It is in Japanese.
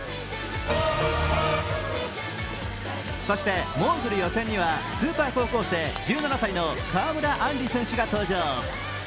そしてモーグル予選にはスーパー高校生１７歳の川村あんり選手が登場。